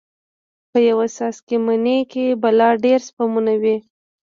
په يو څاڅکي مني کښې بلا ډېر سپرمونه وي.